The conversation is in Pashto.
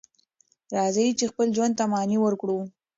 راځئ چې خپل ژوند ته معنی ورکړو.